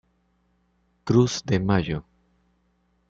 Cruz de Mayo.